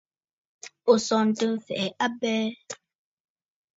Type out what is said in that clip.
À sɔ̀ɔ̀ntə mfɛ̀ɛ a abɛɛ.